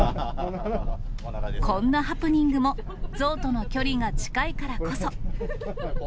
こんなハプニングも、象との距離が近いからこそ。